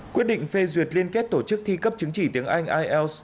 quyết định phê duyệt liên kết tổ chức thi cấp chứng chỉ tiếng anh ielts